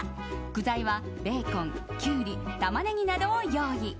具材はベーコン、キュウリタマネギなどを用意。